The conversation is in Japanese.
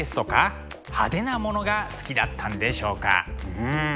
うん。